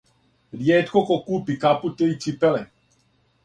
Ријетко ко купи капут или ципеле.